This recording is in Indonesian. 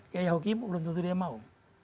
ke yahokimo belum tentu dia mau